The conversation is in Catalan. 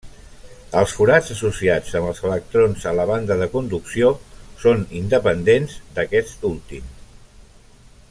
Els forats associats amb els electrons a la banda de conducció són independents d'aquest últim.